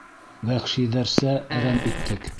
Вәхшиҙәрсә әрәм иттек.